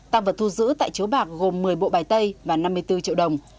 tăng vật thu giữ tại chứa bạc gồm một mươi bộ bài tây và năm mươi bốn triệu đồng